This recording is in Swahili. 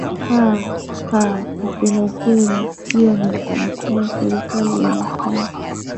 aa kusema ukweli hiyo ni unfair serikali inafaa